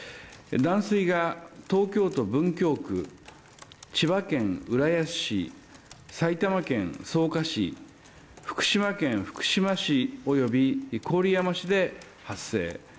断水が、東京都文京区千葉県浦安市、埼玉県草加市福島県福島市および郡山市で発生。